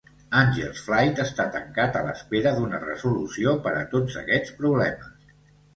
Angels Flight està tancat a l"espera d"una resolució per a tots aquests problemes.